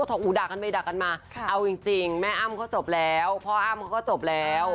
พวกทองอู่ดากันไม่ดากันมาเอาจริงแม่อ้ำก็จบแล้วพ่ออ้ำก็จบแล้ว